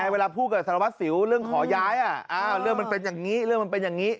เวลาพูดกับสารวัตรสิวเรื่องขอย้ายเรื่องมันเป็นอย่างนี้เรื่องมันเป็นอย่างนี้